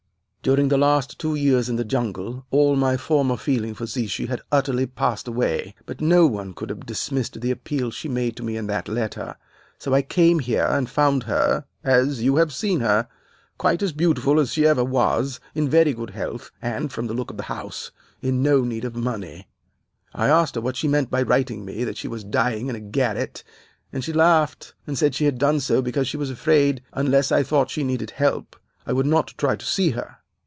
During the last two years in the jungle all my former feeling for Ziehy has utterly passed away, but no one could have dismissed the appeal she made in that letter. So I came here, and found her, as you have seen her, quite as beautiful as she ever was, in very good health, and, from the look of the house, in no need of money. "'I asked her what she meant by writing me that she was dying in a garret, and she laughed, and said she had done so because she was afraid, unless I thought she needed help, I would not try to see her.